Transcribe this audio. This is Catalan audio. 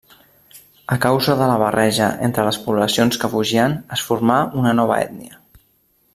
A causa de la barreja entre les poblacions que fugien, es formà una nova ètnia.